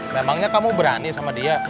memangnya kamu berani sama dia